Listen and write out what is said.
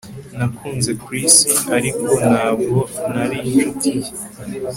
Nakunze Chris ariko ntabwo nari inshuti ye